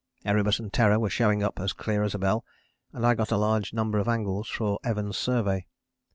Erebus and Terror were showing up as clear as a bell and I got a large number of angles for Evans' survey.